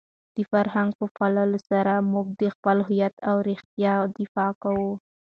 د فرهنګ په پاللو سره موږ د خپل هویت او رېښې دفاع کوو.